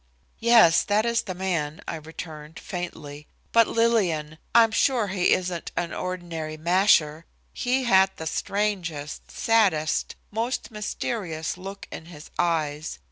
"Yes, that is the man," I returned, faintly, "but, Lillian, I'm sure he isn't an ordinary 'masher.' He had the strangest, saddest, most mysterious look in his eyes.